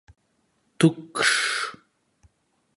Tukšs!